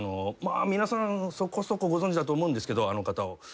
皆さんそこそこご存じだと思うんですけどあの方を。